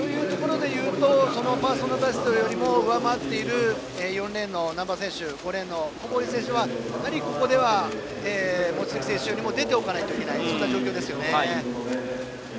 パーソナルベストよりも上回っている４レーンの難波選手と５レーンの小堀選手はここでは望月選手よりも出ておかないといけない状況です。